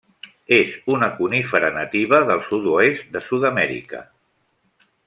És una conífera nativa del sud-oest de Sud-amèrica.